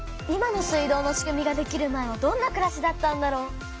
今の水道のしくみができる前はどんなくらしだったんだろう？